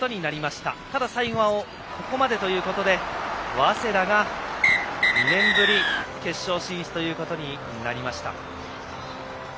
ただ最後はここまでということで早稲田が２年ぶりの決勝進出となりました。